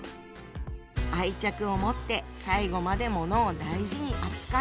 愛着を持って最後まで物を大事に扱う。